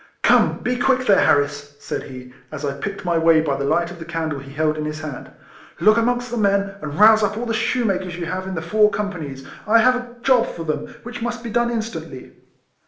" Come, be quick there, Harris !" said he, as I picked my way by the light of the candle he held in his hand; " look amongst the men, and rouse up all the shoemakers you have in the four coippanies. I have a job for them, which must be done instantly.'